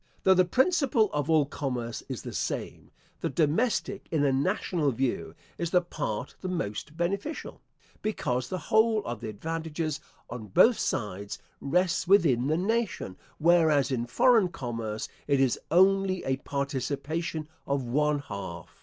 Though the principle of all commerce is the same, the domestic, in a national view, is the part the most beneficial; because the whole of the advantages, an both sides, rests within the nation; whereas, in foreign commerce, it is only a participation of one half.